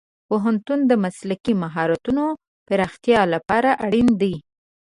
پوهنتون د مسلکي مهارتونو پراختیا لپاره اړین دی.